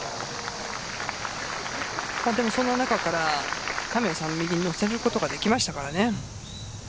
その中から神谷さんは右に乗せることができましたからね。